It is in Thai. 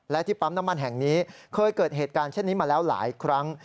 และที่ปั๊มน้ำมันแห่งนี้เคยเกิดเหตุการณ์เช่นนี้มาแล้วหลายครั้ง